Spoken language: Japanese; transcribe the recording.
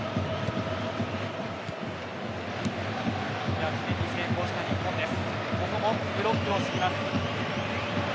逆転に成功した日本です。